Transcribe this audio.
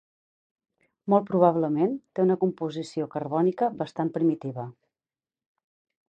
Molt probablement té una composició carbònica bastant primitiva.